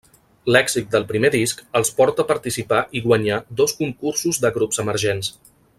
L'èxit del primer disc els porta a participar i guanyar dos concursos de grups emergents.